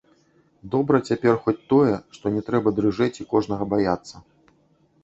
Добра цяпер хоць тое, што не трэба дрыжэць і кожнага баяцца.